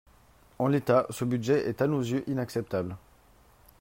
En l’état, ce budget est à nos yeux inacceptable.